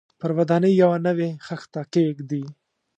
پر ودانۍ یوه نوې خښته کېږدي.